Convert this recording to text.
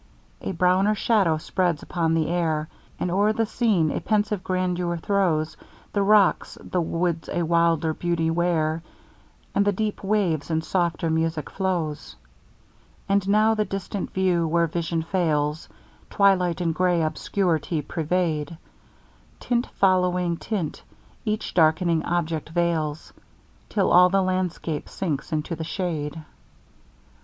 A browner shadow spreads upon the air, And o'er the scene a pensive grandeur throws; The rocks the woods a wilder beauty wear, And the deep wave in softer music flows; And now the distant view where vision fails, Twilight and grey obscurity pervade; Tint following tint each dark'ning object veils, Till all the landscape sinks into the shade.